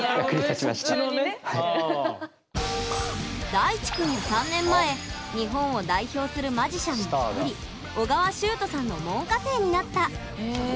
大智くんは３年前日本を代表するマジシャンの一人緒川集人さんの門下生になった。